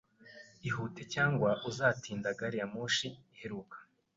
Ihute, cyangwa uzatinda gari ya moshi iheruka.